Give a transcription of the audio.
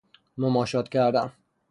مماشات کردن